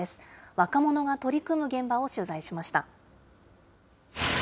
若者が取り組む現場を取材しました。